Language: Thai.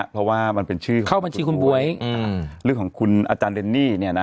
เพราะว่ามันเป็นชื่อเข้าบัญชีคุณบ๊วยเรื่องของคุณอาจารย์เรนนี่